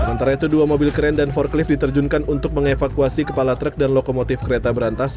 sementara itu dua mobil kren dan forklift diterjunkan untuk mengevakuasi kepala truk dan lokomotif kereta berantas